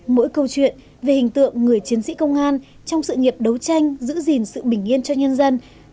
mỗi câu chuyện về hình tượng người chiến sĩ công an trong sự nghiệp đấu tranh giữ gìn sự bình yên cho nhân dân